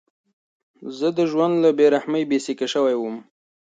زه د ژوند له بېرحمۍ څخه بېسېکه شوی وم.